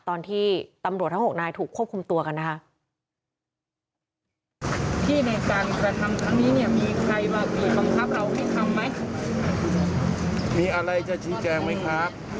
ตอนที่ตำรวจทั้ง๖นายถูกควบคุมตัวกันนะคะ